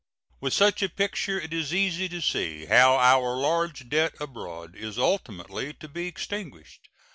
With such a picture it is easy to see how our large debt abroad is ultimately to be extinguished.